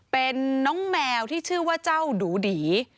เป็นน้องแมวที่ชื่อว่าเจ้าดูดี